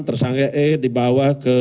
tersangka le dibawa ke